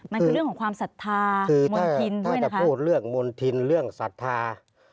มันคือเรื่องของความศรัทธาคือมณฑินถ้าจะพูดเรื่องมณฑินเรื่องศรัทธา